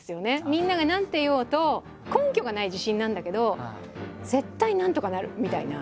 みんなが何て言おうと根拠がない自信なんだけど絶対なんとかなる！みたいな。